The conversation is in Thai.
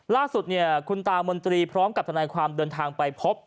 ล่าสุดเนี่ยคุณตามนตรีพร้อมกับทนายความเดินทางไปพบ